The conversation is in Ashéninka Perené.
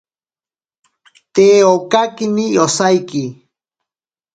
Te okakini osaiki.